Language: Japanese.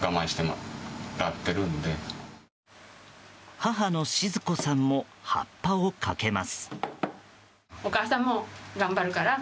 母の静子さんもはっぱをかけます。